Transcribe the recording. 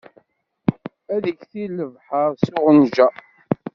Ad iktil lebḥeṛ s uɣenja.